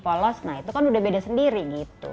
polos nah itu kan udah beda sendiri gitu